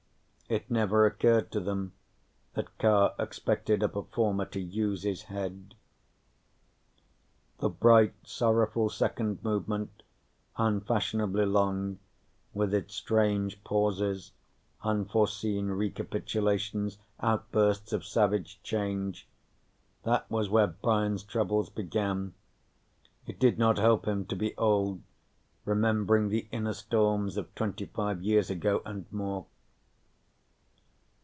It never occurred to them that Carr expected a performer to use his head. The bright sorrowful second movement, unfashionably long, with its strange pauses, unforeseen recapitulations, outbursts of savage change that was where Brian's troubles began. It did not help him to be old, remembering the inner storms of twenty five years ago and more.